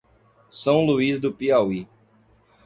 São Luís do Piauí